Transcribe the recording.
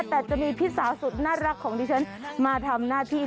แต่จะมีพี่สาวสุดน่ารักของดิฉันมาทำหน้าที่